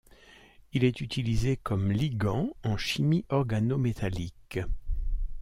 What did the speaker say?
Il est utilisé comme ligand en chimie organométallique.